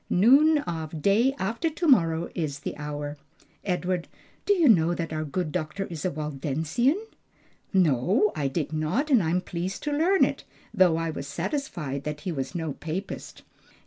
"Noon of day after to morrow is the hour. Edward, do you know that our good doctor is a Waldensian?" "No, I did not, and am pleased to learn it; though I was satisfied that he was no Papist."